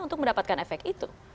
untuk mendapatkan efek itu